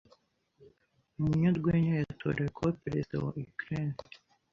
Umunyarwenya yatorewe kuba Perezida wa Ukraine